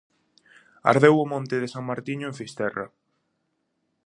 Ardeu o monte de San Martiño en Fisterra.